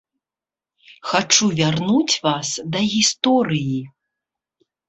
Хачу вярнуць вас да гісторыі.